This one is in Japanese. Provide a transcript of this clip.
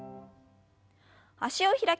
脚を開きます。